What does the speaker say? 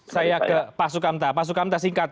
saya ke pak sukamta pak sukamta singkat